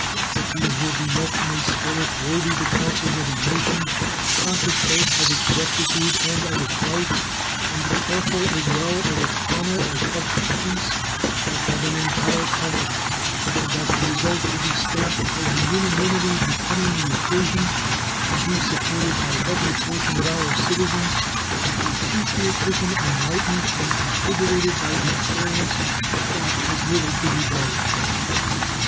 That these will be met in a spirit worthy the councils of a nation conscious both of its rectitude and of its rights, and careful as well of its honor as of its peace, I have an entire confidence; and that the result will be stamped by a unanimity becoming the occasion, and be supported by every portion of our citizens with a patriotism enlightened and invigorated by experience, ought as little to be doubted.